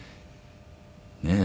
ねえ。